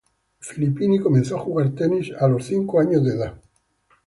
Filippini comenzó a jugar tenis a los cinco años de edad.